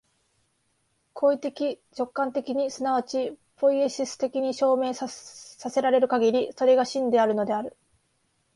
行為的直観的に即ちポイエシス的に証明せられるかぎり、それが真であるのである。